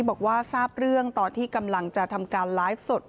บอกว่าทราบเรื่องตอนที่กำลังจะทำการไลฟ์สด